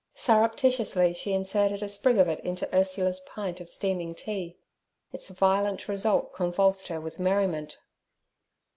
Surreptitiously she inserted a sprig of it into Ursula's pint of steaming tea. Its violent result convulsed her with merriment.